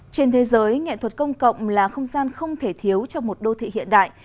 trên thế giới nghệ thuật công cộng là không gian không thể thiếu cho một đô thị hiện đại